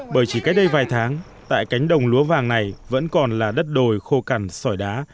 bởi chỉ cách đây vài tháng tại cánh đồng lúa vàng này vẫn còn là đất đồi khô cằn sỏi đá